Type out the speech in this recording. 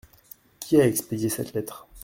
Qui a expédié cette lettre ?